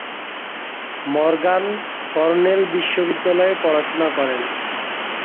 Morgan Cornell বিশ্ববিদ্যালয়ে পড়াশুনা করেন।